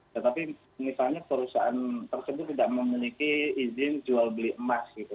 tetapi misalnya perusahaan tersebut tidak memiliki izin jual beli emas gitu